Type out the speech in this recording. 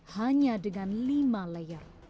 hanya dengan lima layer